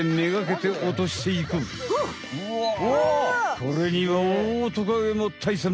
これにはオオトカゲもたいさん！